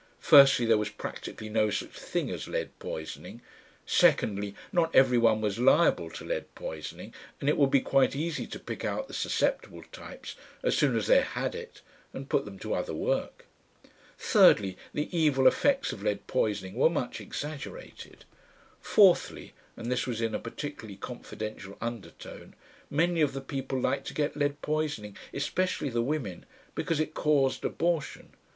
Firstly, there was practically no such thing as lead poisoning. Secondly, not everyone was liable to lead poisoning, and it would be quite easy to pick out the susceptible types as soon as they had it and put them to other work. Thirdly, the evil effects of lead poisoning were much exaggerated. Fourthly, and this was in a particularly confidential undertone, many of the people liked to get lead poisoning, especially the women, because it caused abortion.